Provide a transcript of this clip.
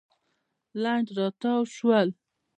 لنډ راتاو شول.